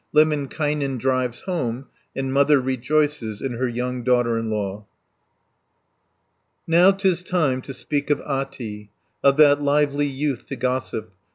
Lemminkainen drives home, and mother rejoices in her young daughter in law (315 402). Now 'tis time to speak of Ahti, Of that lively youth to gossip.